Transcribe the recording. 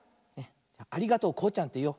「ありがとうこうちゃん」っていおう。